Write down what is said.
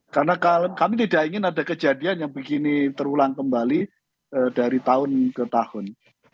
karena kami tidak ingin ada kejadian yang begini terulang kembali dari tahun ke tahun